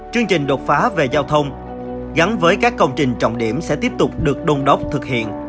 chương trình đột phá về giao thông gắn với các công trình trọng điểm sẽ tiếp tục được đôn đốc thực hiện